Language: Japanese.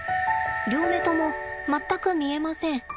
両目とも全く見えません。